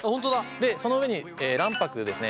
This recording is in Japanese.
でその上に卵白ですね。